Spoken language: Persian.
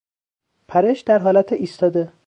پرش در حالت ایستاده